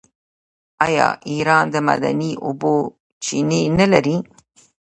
آیا ایران د معدني اوبو چینې نلري؟